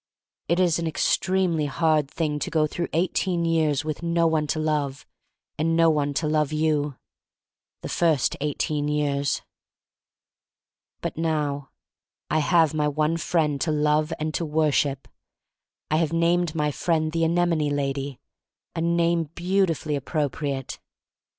It is an extremely hard thing to go through eighteen years with no one to love, and no one to love you — the first eighteen years. But now rhave my one friend to love and to worship. I have named my friend the "anem one lady, a name beautifully appro priate.